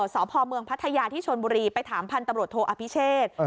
สพเมืองพัทยาที่ชนบุรีไปถามพันธุ์ตำรวจโทอภิเชษ